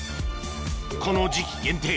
この時期限定